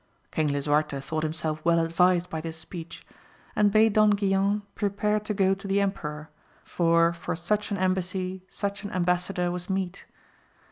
King Lisuarte thought himself well advised by this speech, and bade Don Guilan prepare to go to the emperor, for for such an embassy such an embassador was meet.